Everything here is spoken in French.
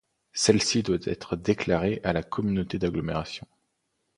Celle-ci doit être déclarée à la communauté d'agglomération.